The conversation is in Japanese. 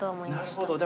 なるほど。